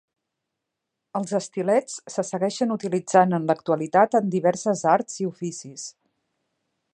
Els estilets se segueixen utilitzant en l'actualitat en diverses arts i oficis.